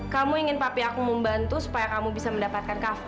kamu ingin papi aku membantu supaya kamu bisa mendapatkan kafe